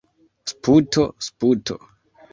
Sputo! Sputo!